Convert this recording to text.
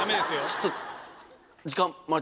ちょっと。